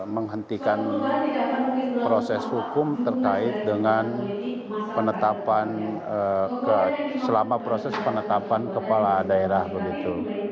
menghentikan proses hukum terkait dengan penetapan selama proses penetapan kepala daerah begitu